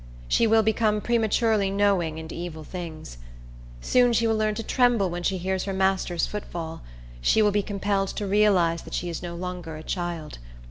She will become prematurely knowing in evil things. Soon she will learn to tremble when she hears her master's footfall. She will be compelled to realize that she is no longer a child.